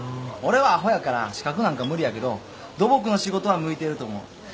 俺はアホやから資格なんか無理やけど土木の仕事は向いてると思う。